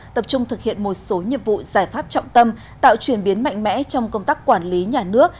tập trung thực hiện một số nhiệm vụ giải pháp trọng tâm tạo chuyển biến mạnh mẽ trong công tác quản lý nhà nước